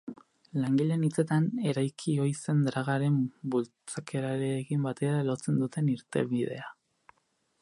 Langileen hitzetan, eraiki ohi zen dragarekin bukatzearekin batera lotzen dute irtenbidea.